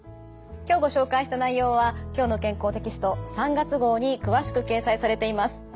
今日ご紹介した内容は「きょうの健康」テキスト３月号に詳しく掲載されています。